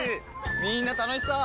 みんな楽しそう！